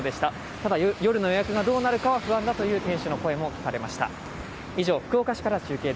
ただ、夜の予約がどうなるのかは不安だという店主の声も聞かれました。